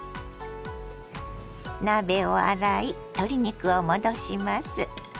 鍋を洗い鶏肉を戻します。